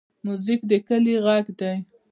موزیک د کلي غږ دی.